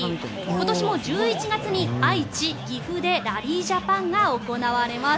今年も１１月に愛知、岐阜でラリージャパンが行われます。